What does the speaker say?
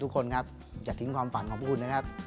ทุกคนครับอย่าทิ้งความฝันของคุณนะครับ